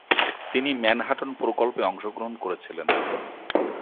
তিনি ম্যানহাটন প্রকল্পে অংশগ্রহণ করেছিলেন।